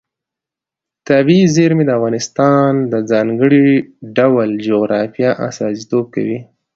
طبیعي زیرمې د افغانستان د ځانګړي ډول جغرافیه استازیتوب کوي.